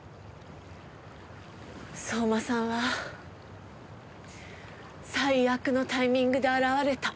相馬さんは最悪のタイミングで現れた。